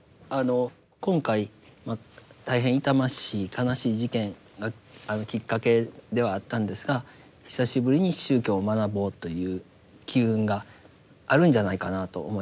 今回大変痛ましい悲しい事件がきっかけではあったんですが久しぶりに宗教を学ぼうという機運があるんじゃないかなと思います。